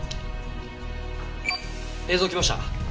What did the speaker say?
映像来ました。